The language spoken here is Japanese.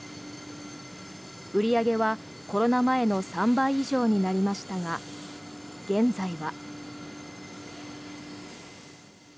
売り上げはコロナ前の３倍以上になりましたが現在は。